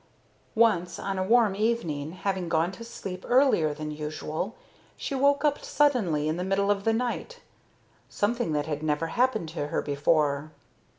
Once, on a warm evening, having gone to sleep earlier than usual, she woke up suddenly in the middle of the night something that had never happened to her before.